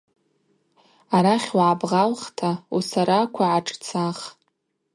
Арахь угӏабгъалхта усараква гӏашӏцах.